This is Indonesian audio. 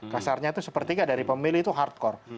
kasarnya itu sepertiga dari pemilih itu hardcore